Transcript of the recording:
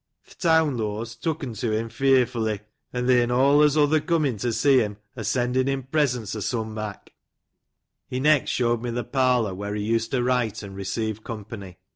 Tb' Teawnlo's took'n to him fyrfully, an tbir'n olez othur comin' to see bim, or sendin' him presents o' some mak'." He next showed me tbe parlour where be used to write and receive company.